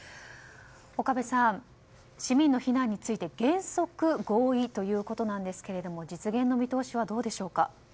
岡部さん、市民の避難について原則合意ということですが実現の見通しはどうでしょうか。